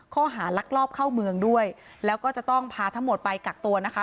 ลักลอบเข้าเมืองด้วยแล้วก็จะต้องพาทั้งหมดไปกักตัวนะคะ